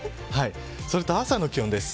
それと朝の気温です。